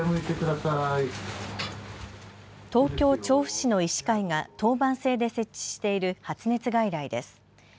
東京・調布市の医師会が当番制で設置している「発熱外来」です。